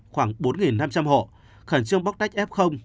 khoảng bốn năm trăm linh hộ khẩn trương bóc tách f